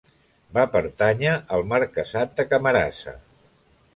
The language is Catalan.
Va pertànyer al marquesat de Camarasa.